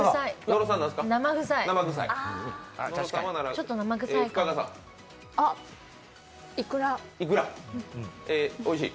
ちょっと生臭い。